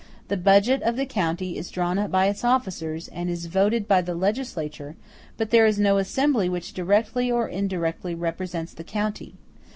The budget of the county is drawn up by its officers, and is voted by the legislature, but there is no assembly which directly or indirectly represents the county.